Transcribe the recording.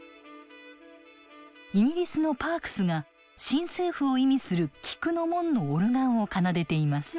イギリスのパークスが新政府を意味する菊の紋のオルガンを奏でています。